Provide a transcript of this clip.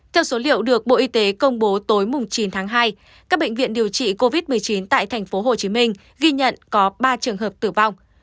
theo số liệu được bộ y tế công bố tối chín tháng hai các bệnh viện điều trị covid một mươi chín tại tp hcm ghi nhận có ba trường hợp tử vong